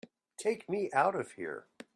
Take me out of here!